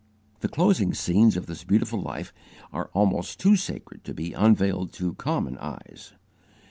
The closing scenes of this beautiful life are almost too sacred to be unveiled to common eyes.